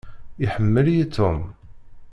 Iḥemmel-iyi Tom.